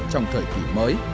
trong thời kỷ mới